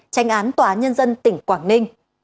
tranh án tòa án nhân dân tỉnh quảng ninh